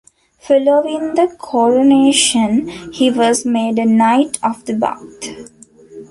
Following the coronation he was made a Knight of the Bath.